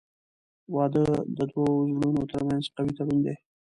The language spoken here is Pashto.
• واده د دوه زړونو ترمنځ قوي تړون دی.